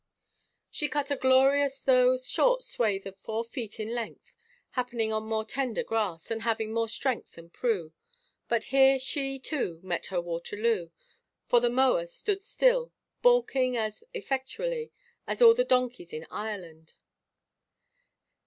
She cut a glorious though short swath of four feet in length, happening on more tender grass, and having more strength than Prue, but here she, too, met her Waterloo, for the mower stood still, balking as effectually as all the donkeys in Ireland.